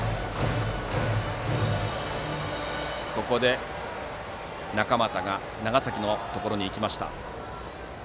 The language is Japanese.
ここでキャッチャーの中俣が長崎のところに行きました。